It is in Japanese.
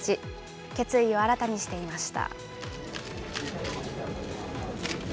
決意を新たにしていました。